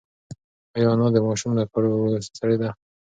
ایا انا د ماشوم له کړو وړو ستړې ده؟